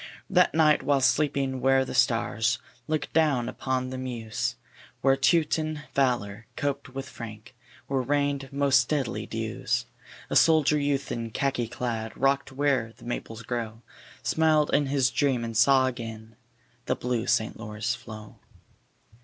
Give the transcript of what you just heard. That night while sleeping where the stars Look down upon the Meuse, Where Teuton valor coped with Frank, Where rained most deadly dews, A soldier youth in khaki clad, Rock'd where the Maples grow, Smiled in his dream and saw again The blue St. Lawrence flow.